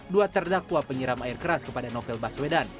dua terdakwa penyiram air keras kepada novel baswedan